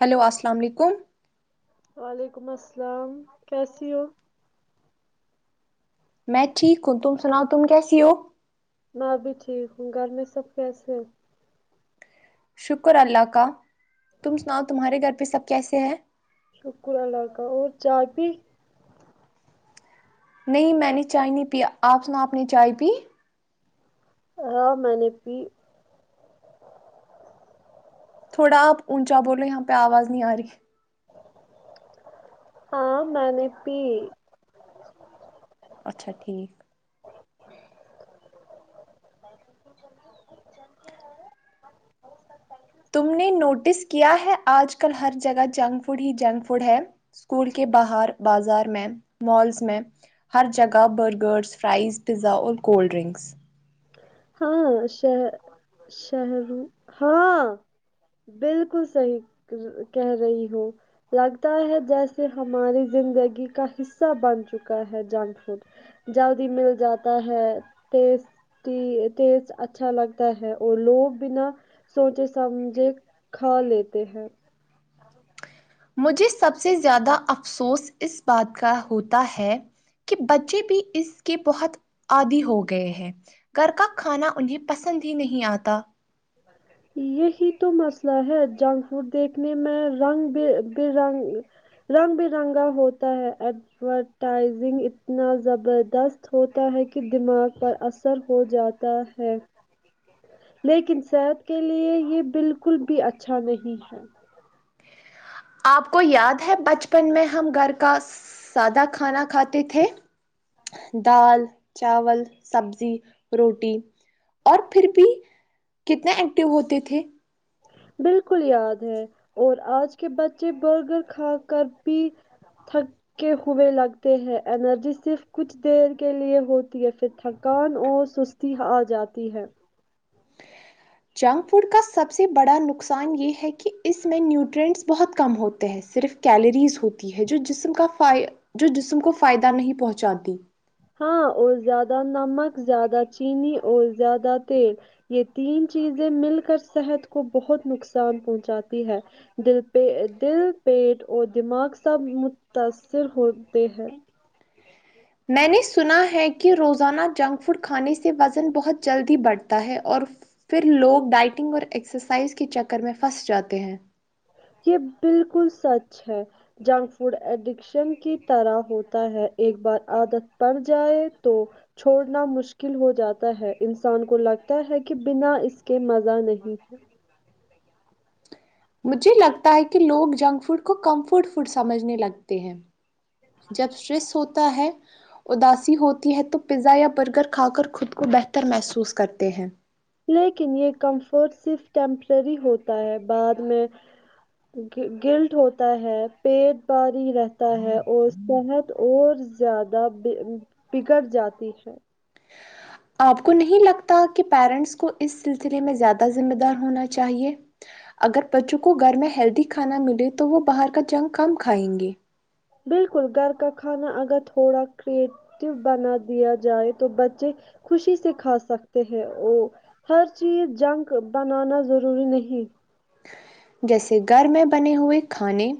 hello السلام علیکم وعلیکم السلام کیسی ہو میں ٹھیک ہوں تم سناؤ تم کیسی ہو میں بھی ٹھیک ہوں گھر میں سب کیسے ہے شکر اللہ کا تم سناؤ تمہارے گھر پہ سب کیسے ہیں شکر اللہ کا اور چائی پی نہیں میں نے چائے نہیں پی آپ نا آپ نے چائے پی ہاں میں نے پی تھوڑا آپ اونچا بولیں یہاں پہ آواز نہیں آ رہی ہاں میں نے پی اچھا ٹھیک تم نے نوٹس کیا ہے آج کل ہر جگہ جنک فوڈ ہی جنک فوڈ ہے اسکول کے باہر بازار میں مالس میں ہر جگہ برگرس فرائز پیزا اور کولڈ ڈرنکس ہاں شہ شہری ہاں بالکل صحیح کہہ رہی ہوں لگتا ہے جیسے ہماری زندگی کا حصہ بن چکا ہے جنگ فوڈ جلدی مل جاتا ہے تیز ت ٹیسٹ اچھا لگتا ہے اور لوگ بنا سوچے سمجھے کھا لیتے ہیں مجھے سب سے زیادہ افسوس اس بات کا ہوتا ہے کہ بچے بھی اس کے بہت عادی ہو گئے ہیں گھر کا کھانا انہیں پسند ہی نہیں آتا یہی تو مسئلہ ہے جنک فوڈ دیکھنے میں رنگ ب بے رنگ رنگ برنگا ہوتا ہے ادورتیزنگ اتنا زبردست ہوتا ہے کہ دماغ پر اثر ہو جا تا ہے لیکن صحت کے لیے یہ بالکل بھی اچھا نہیں ہے آپ کو یاد ہے بچپن میں ہم گھر کا سادہ کھانا کھاتے تھے دال چاول سبزی روٹی اور پھر بھی کتنے ایکٹو ہوتے تھے بالکل یاد ہے اور آج کے بچے برگر کھا کر بھی تھ کے ہوئے لگتے ہیں انرجی صرف کچھ دیر کے لیے ہوتی ہے پھر تھکان اور سس تی آ جاتی ہے جنک فوڈ کا سب سے بڑا نقصان یہ ہے کہ اس میں نیوٹرینٹس بہت کم ہوتے ہیں صرف کیلریز ہوتی ہے جو جسم کا ف جو جسم کو فائدہ نہیں پہنچاتی ہاں اور زیادہ نمک زیادہ چینی اور زیادہ تیل یہ تین چیزیں مل کر صحت کو بہت نقصان پہنچاتی ہے دل پ دل پیٹ اور دماغ سب متاثر ہوتے ہے میں نے سنا ہے کہ کہ روزانہ جنک فوڈ کھانے سے وزن بہت جلدی بڑھتا ہے اور ف ر لوگ ڈائٹنگ اور ایکسرسائز کے چکر میں پھنس جاتے ہیں یہ بالکل سچ ہے جنک فوڈ ایڈکشن کی طرح ہوتا ہے ایک بار عادت پڑ جائے تو چھوڑنا مشکل ہو جاتا ہے انسان کو لگتا ہے کہ بنا اس کے مزہ نہیں مجھے لگتا ہے کہ لوگ جنک فوڈ کو کمفرٹ فوڈ سمجھنے لگتے ہیں جب اسٹریس ہوتا ہے اداسی ہوتی ہے تو پزا یا برگر کھا کر خود کو بہتر محسوس کرتے ہیں لیکن یہ کمفرٹ صرف ٹیمپرری ہوتا ہے بعد میں گلٹ ہوتا ہے پیٹ باہر ہی رہتا ہے اور صحت اور زیادہ ب بگڑ جاتی ہے آپ کو نہیں لگتا کہ پیرنٹس کو اس سلسلے میں زیادہ ذمہ دار ہونا چاہیے اگر بچوں کو گھر میں ہیلدی کھانا ملے تو وہ باہر کا جنگ کم کھائیں گے بالکل گھر کا کھانا اگر تھوڑا کیرٹ یو بنا دیا جائے تو بچے خوشی سے کھا سکتے ہیں وہ ہر چیز جنک بنانا ضروری نہیں جیسے گھر میں بنے ہوئے کھانے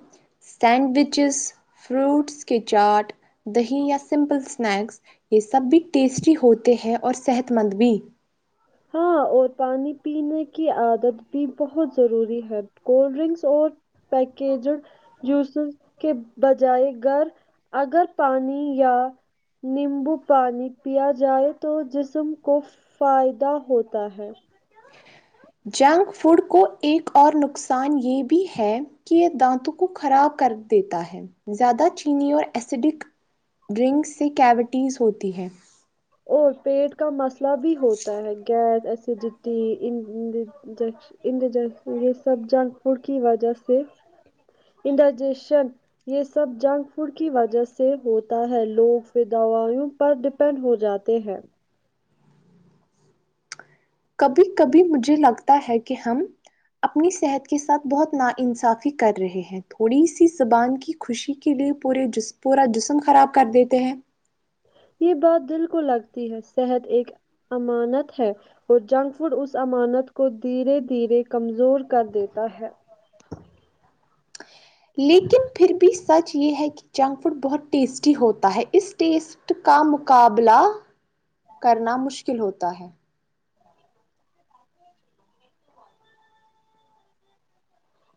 سینڈوچز فروٹس کے چاٹ دہی یا سمپل اسنیکس یہ سب بھی ٹیسٹی ہوتے ہیں اور صحت مند بھی ہاں اور پانی پینے کی عادت بھی بہت ضروری ہے کولڈ ڈرکس اور پیکجڈ جوسز کے بجائے گر اگر پانی یا نیمبو پانی پیا جائے تو جسم کو فائد ہ ہوتا ہے جنک فوڈ کو ایک اور نقصان یہ بھی ہے کہ یہ دانتوں کو خراب کر دیتا ہے زیادہ چینی اور ایسیڈک ڈرنکس سے کیوٹیز ہوتی ہے اور پیٹ کا مسئلہ بھی ہوتا ہے گیس اسیڈیٹ ی ان جک ان جنک یہ سب جنک فڈ کی وجہ سے انڈائجیشن یہ سب جنک فوڈ کی وجہ سے ہوتا ہے لوگ پهر دوائیوں پر ڈیپینڈ ہو جاتے ہیں کبھی کبھی مجھے لگتا ہے کہ ہم اپنی صحت کے ساتھ بہت نا انصافی کر رہے ہیں تھوڑی سی زبان کی خوشی کے لیے پورے جس پورا جسم خراب کر دیتے ہیں یہ بات دل کو لگتی ہے صحت ایک امانت ہے اور جنک فوڈ اس امانت کو دھیرے دھیرے کمزور کر دیتا ہے لیکن پھر بھی سچ یہ ہے کہ جنک فوڈ بہت ٹیسٹی ہوتا ہے اس ٹیسٹ کا مقابلہ کرنا مشکل ہوتا ہے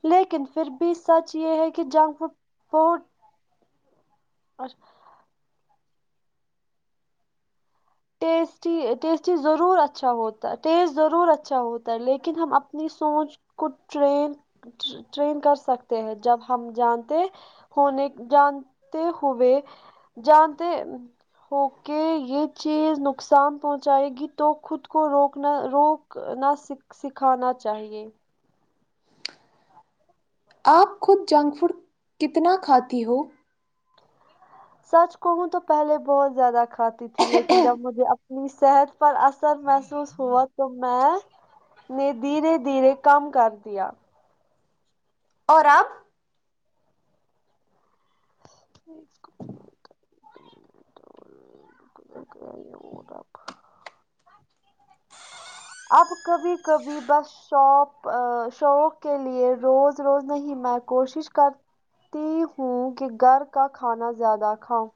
لیکن پھر بھی سچ یہ ہے کہ جنک فوڈ بہت اور ٹیسٹی ٹیسٹی ضرور اچھا ہوتا ٹیسٹ ضرور اچھا ہوتا ہے لیکن ہم اپنی سوچ کو ٹری ٹرین کر سکتے ہیں جب ہم جانتے ہونے جانتے ہوئے جانتے ہوک یہ چیز نقصان پہنچائے گی تو خود کو روکنا روک نہ سک سکھانا چاہیے آپ خود جنک فوڈ کتنا کھاتی ہو سچ کہوں تو پہلے بہت زیادہ کھاتی تھی لیکن جب مجھے اپنی صحت پر اثر محسوس ہوا تو میں نے دھیرے دھیرے کم کر دیا اور آپ [inaudible] اب کبھی کبھی بس شوق ا شوق کے لیے روز روز نہیں میں کوشش کر تی ہوں کہ گھر کا کھانا زیادہ کھاؤں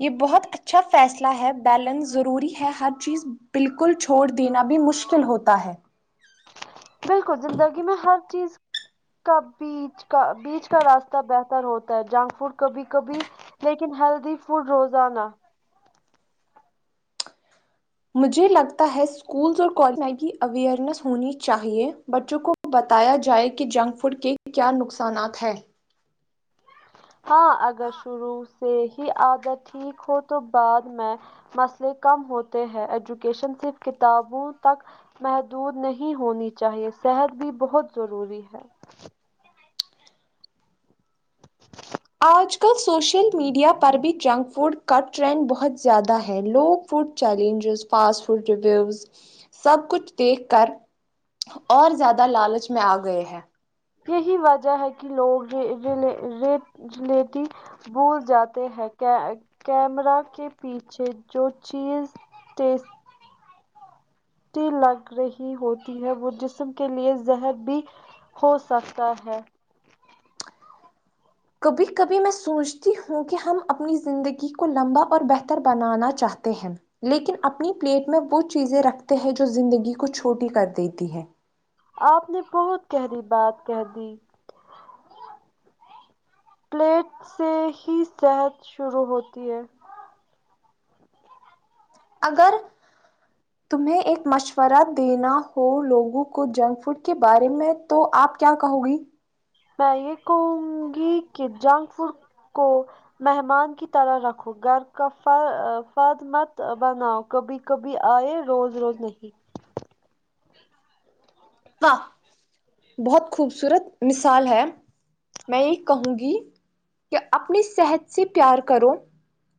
یہ بہت اچھا فیصلہ ہے بیلنس ضروری ہے ہر چیز بالکل چ چھوڑ دینا بھی مشکل ہوتا ہے بالکل زندگی میں ہر چیز کا بیچ کا بیچ کا راستہ بہتر ہوتا ہے جنک فوڈ کبھی کبھی لیکن ہیل دین وہ روزانہ مجھے لگتا ہے اسکولس اور کالج میں کی اوئرنیس ہونی چاہیے بچوں کو کو بتایا جائے کہ جنک فوڈ کے کیا نقصانات ہیں ہاں اگر شروع سے ہی عدت ٹھیک ہو تو بعد میں مسئلے کم ہوتے ہیں ایجوکیشن صرف کتابوں تک محدود نہیں ہونی چاہیے صحت بھی بہت ضروری ہے آج کل سوشل میڈیا پر بھی جنک فوڈ کا ٹرینڈ بہت زیادہ ہے لوگ food challenges fast food reviews سب کچھ دیکھ کر اور زیادہ لالچ میں آ گئے ہیں یہی وجہ ہے کہ لوگ واپ ریلا لیتی بھول جاتے ہیں کیمرا کے پیچھے جو چیز تی لگ رہی ہوتی ہے وہ جسم کے لیے زہر بھی ہو سکتا ہے کبھی کبھی میں سوچتی ہوں کہ ہم اپنی زندگی کو لمبا اور بہتر بنانا چاہتے ہیں لیکن اپنی پلیٹ میں وہ چیزیں رکھتے ہیں جو زندگی کو چھوٹی کر دیتی ہے آپ نے بہت گہری بات کہہ دی پلیٹ سے ہی صحت شروع ہوتی ہے اگر تمہیں ایک مشورہ دینا ہو لوگوں کو جنک فوڈ کے بارے میں تو آپ کیا کہو گی میں یہ کہوں گی کہ جنگ فوڈ کو مہمان کی طرح رکھو گھر کا فر فرد مت بناؤ کبھی کبھی آئے روز روز نہیں واہ بہت خوبصورت مثال ہے میں یہ کہوں گی کہ اپنی صحت سے پیار کرو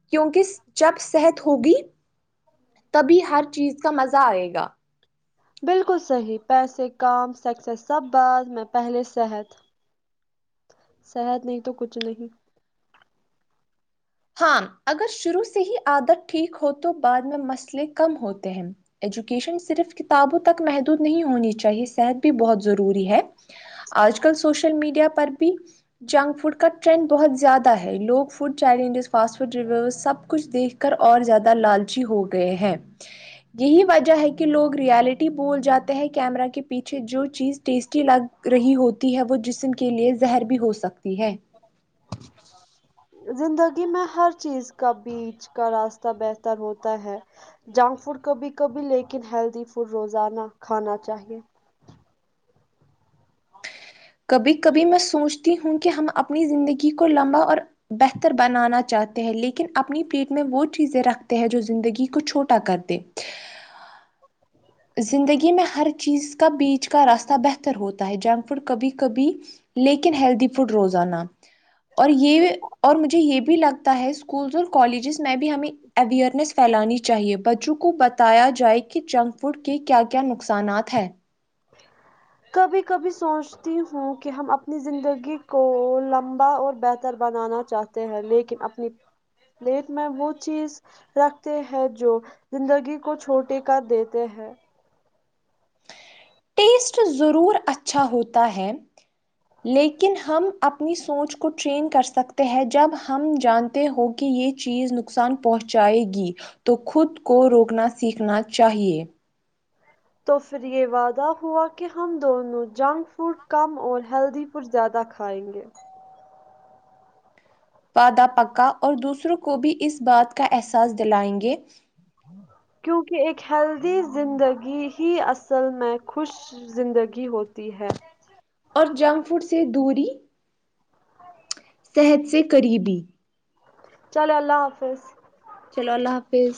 کیونکہ جب صحت ہوگی تبھی ہر چیز کا مزہ آئے گا بالکل صحیح پیسے کام سکسیس سب بعد میں پہلے صحت صحت نہیں تو کچھ نہیں ہاں اگر شروع سے ہی عادت ٹھیک ہو تو بعد میں مسئلے کم ہوتے ہیں ایجوکیشن صرف کتابوں تک محدود نہیں ہونی چاہیے صحت بھی بہت ضروری ہے آج کل سوشل میڈیا پر بھی جنک فوڈ کا ٹرینڈ بہت زیادہ ہے لوگ فوڈ چیل انڈسٹ فاسٹ فوڈ ریویوز سب کچھ دیکھ کر اور زیادہ لالچی ہو گئے ہیں یہی وجہ ہے کہ لوگ ریالٹی بول جاتے ہیں کیمرا کے پیچھے جو چیز ٹیسٹی لگ رہی ہوتی ہے وہ جسم کے لیے زہر بھی ہو سکتی ہے زندگی میں ہر چیز کا بیچ کا راستہ بہتر ہوتا ہے جنک فوڈ کبھی کبھی لیکن ہیلدی فوڈ روزانہ کھانا چاہیے کبھی کبھی میں سوچتی ہوں کہ ہم اپنی زندگی کو لمبا اور بہتر بنانا چاہتے ہیں لیکن اپنی پیٹ میں وہ چیزیں رکھتے ہیں جو زندگی کو چھوٹا کر دے زندگی میں ہر چیز کا بیچ کا راستہ بہتر ہوتا ہے جنک فوڈ کبھی کبھی لیکن ہیلدی فوڈ روزانہ اور یہ اور مجھے یہ بھی لگتا ہے اسکولس اور کالجز میں بھی ہمیں اویئرنیس پھیلانی چاہیے بچوں کو بتایا جائے کہ جنک فوڈ کے کیا کیا نقصانات ہیں کبھی کبھی سوچتی ہوں کہ ہم اپنی زندگی کو لمبا اور بہتر بنانا چاہتے ہیں لیکن اپنی پٹ میں وہ چیز رکھتے ہیں جو زندگی کو چھوٹی کر دیتے ہیں ٹیسٹ ضرور اچھا ہوتا ہے لیکن ہم اپنی سوچ کو ٹریین کر سکتے ہیں جب ہم جان تے ہو کہ یہ چیز نقصان پہنچائے گی تو خود کو روکنا سیکھنا چاہیے تو پھر یہ وعدہ ہوا کہ ہم دونوں جنک فوڈ کم اور ہیلدی فوڈ زیادہ کھائیں گے وعدہ پکا اور دوسروں کو بھی اس بات کا احساس دلائیں گے کیونکہ ایک ہیلدی زندگی ہی اصل میں خوش زندگی ہوتی ہے اور جنک فوڈ سے دوری صحت سے قریبی چلو اللہ حافظ چلو اللہ حافظ